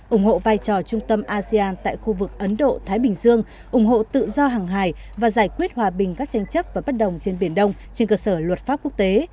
ủng hộ vai trò trung tâm asean tại khu vực ấn độ thái bình dương ủng hộ tự do hàng hải và giải quyết hòa bình các tranh chấp và bất đồng trên biển đông trên cơ sở luật pháp quốc tế